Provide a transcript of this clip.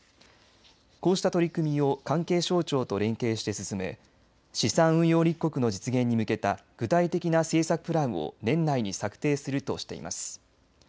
こうした取り組みを環境省庁と連携して進め資産運用立国の実現に向けた具体的な政策プランを年内に策定するとしています。